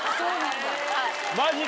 マジか。